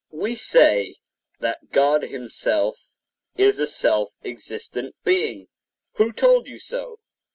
We say that God himself is a self existent being. Who told you so?